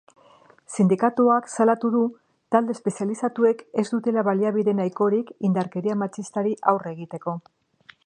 Sindikatuak salatu du talde espezializatuek ez dutela baliabide nahikorik indarkeria matxistari aurre egiteko.